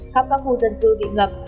khắp các khu dân cư bị ngập